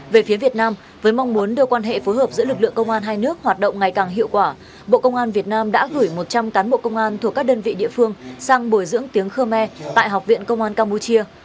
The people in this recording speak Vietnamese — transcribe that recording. về phía việt nam với mong muốn đưa quan hệ phối hợp giữa lực lượng công an hai nước hoạt động ngày càng hiệu quả bộ công an việt nam đã gửi một trăm linh cán bộ công an thuộc các đơn vị địa phương sang bồi dưỡng tiếng khmer tại học viện công an campuchia